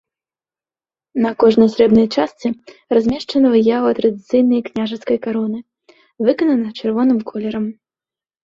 На кожнай срэбнай частцы размешчана выява традыцыйнай княжацкай кароны, выканана чырвоным колерам.